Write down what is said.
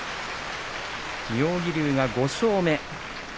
妙義龍が５勝目。